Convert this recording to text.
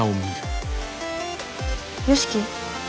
良樹？